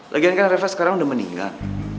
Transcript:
lagian kan reva sekarang udah meninggal